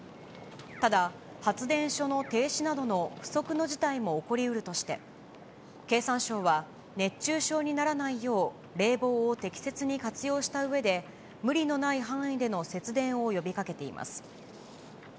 ただ、発電所の停止などの不測の事態も起こりうるとして、経産省は熱中症にならないよう、冷房を適切に活用したうえで、無理のない範囲での節電を呼びかけています。